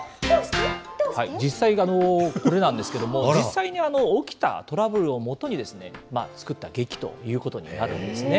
実際、これなんですけども、実際に起きたトラブルをもとに作った劇ということになるんですね。